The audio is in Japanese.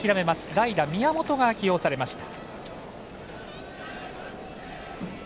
代打、宮本が起用されました。